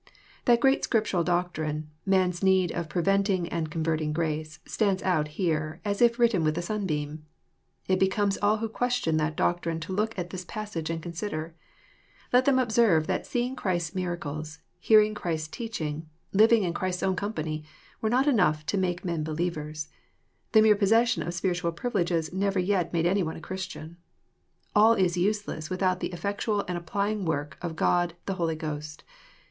That great Scriptural doctrine, man's need of preventing and converting grace, stands out here, as if written with a sunbeam. It becomes all who question that doctrine to look at this passage and consider. Let them observe that seeing Chr ist's in lracles, hearing Christ's teaching, living in Christ'g^^own company, were not^ enough to make men believers. The mere possession of spiritual privileges never yet made any one a Christian. ~ All is useless without the ' eflectual and applying work of God the Holy Ghost.